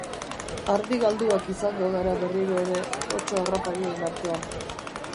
Ardi galduak izango gara berriro ere otso harraparien artean.